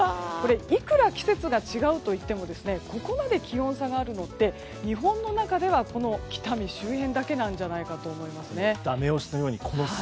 いくら季節が違うといってもここまで気温差があるのは日本の中では北見周辺だけなんじゃないかと思います。